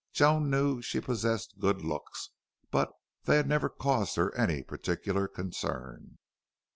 Joan knew she possessed good looks, but they had never caused her any particular concern.